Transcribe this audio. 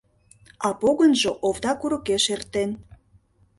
А Погынжо Овда курыкеш эртен.